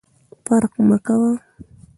فرق مه کوه !